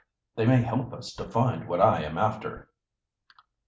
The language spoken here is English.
"They may help us to find what I am after."